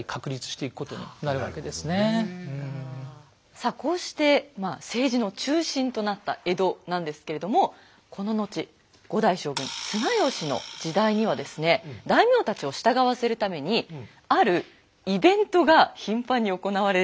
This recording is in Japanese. さあこうして政治の中心となった江戸なんですけれどもこの後５代将軍綱吉の時代にはですね大名たちを従わせるためにあるイベントが頻繁に行われるようになるんです。